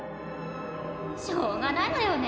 ・しょうがないわよね。